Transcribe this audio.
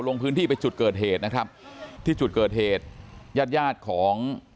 ลงพื้นที่ไปจุดเกิดเหตุนะครับที่จุดเกิดเหตุญาติญาติของ